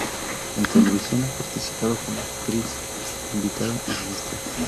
En televisión, ha participado como actriz invitada en "Mr.